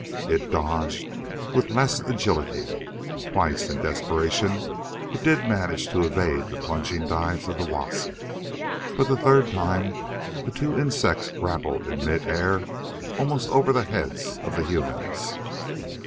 It dodged with less agility. Twice, in desperation, it did manage to evade the plunging dives of the wasp, but the third time the two insects grappled in mid air almost over the heads of the humans.